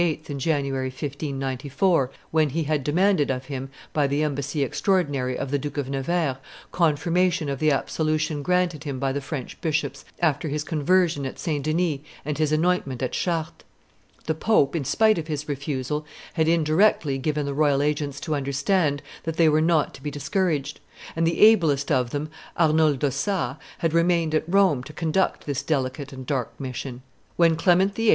in January, 1594, when he had demanded of him, by the embassy extraordinary of the Duke of Nevers, confirmation of the absolution granted him by the French bishops after his conversation at St. Denis and his anointment at Chartres. The pope, in spite of his refusal, had indirectly given the royal agents to understand that they were not to be discouraged; and the ablest of them, Arnold d'Ossat, had remained at Rome to conduct this delicate and dark commission. When Clement VIII.